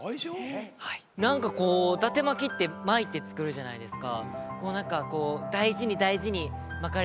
何かだて巻きって巻いて作るじゃないですか。